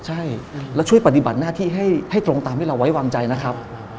ใช่แล้วช่วยปฏิบัติหน้าที่ให้ตรงตามที่เราไว้วางใจนะครับ